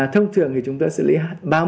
thông thường thì chúng tôi sẽ lấy